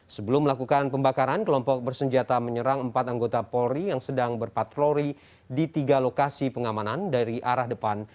sebelum melakukan pembakaran kelompok bersenjata menyerang empat anggota polri yang sedang berpatroli di tiga lokasi pengamanan dari arah depan